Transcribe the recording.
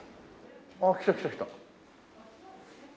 ああ来た来た来た。